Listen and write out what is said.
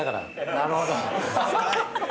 ◆なるほど。